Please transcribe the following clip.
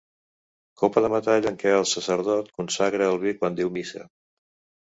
Copa de metall en què el sacerdot consagra el vi quan diu missa.